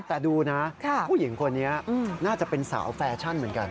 แต่ดูนะผู้หญิงคนนี้น่าจะเป็นสาวแฟชั่นเหมือนกัน